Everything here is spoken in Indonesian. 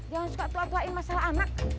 jangan suka tua tuain masalah anak